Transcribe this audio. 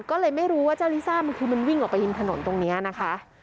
ก็เลยไม่รู้ว่าเจ้าลิซ่ามันคือมันวิ่งออกไปริมถนนตรงนี้นะคะ